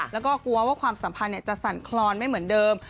แล้วก็กลัวว่าความสัมพันธ์จะสั่นคลอนไม่เหมือนเดิม